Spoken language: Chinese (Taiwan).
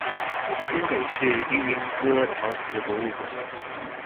新北市立鶯歌陶瓷博物館